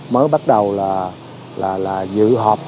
mới bắt đầu là dự họp